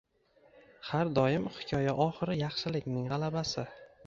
Har doim hikoya oxiri yaxshilikning g’alabasi